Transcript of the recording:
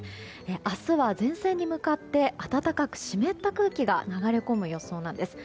明日は前線に向かって暖かく湿った空気が流れ込む予想なんです。